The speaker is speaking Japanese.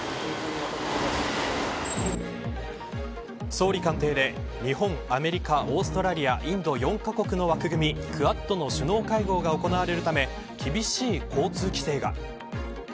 総理官邸で日本、アメリカオーストラリアインド４カ国の枠組みクアッドの首脳会合が行われるため厳しい交通規制が。